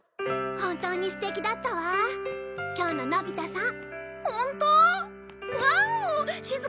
本当に素敵だったわ今日ののび太さん。